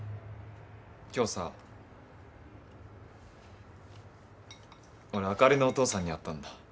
今日さ俺あかりのお父さんに会ったんだ。